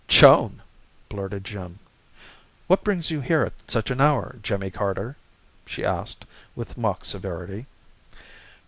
"Joan!" blurted Jim. "What brings you here at such an hour, Jimmy Carter?" she asked with mock severity.